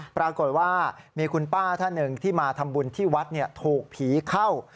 ปรากฏว่ามีคุณป้าท่านหนึ่งที่มาทำบุญที่วัดถูกผีเข้า